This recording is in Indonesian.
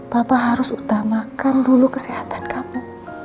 papa harus utamakan dulu kesehatan kamu